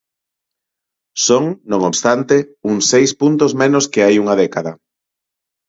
Son, non obstante, uns seis puntos menos que hai unha década.